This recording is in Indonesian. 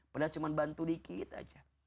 padahal cuma bantu dikit aja